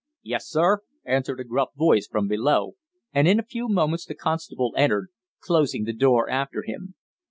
"Yes, sir," answered a gruff voice from below, and in a few moments the constable entered, closing the door after him.